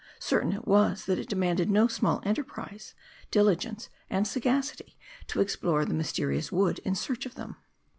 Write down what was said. Certain it was, that it demanded no small enterprise, diligence, and sagacity, to explore the mysterious wood in search of them.